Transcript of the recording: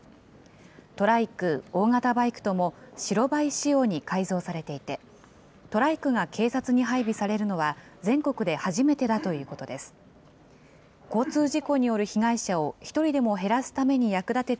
トライク、大型バイクとも、白バイ仕様に改造されていて、トライクが警察に配備されるのは全国で初めてだということです。